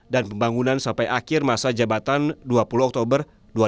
dan pembangunan sampai akhir masa jabatan dua puluh oktober dua ribu dua puluh empat